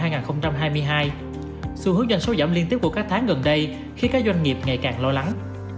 khiến các doanh nghiệp ngày càng lo lắng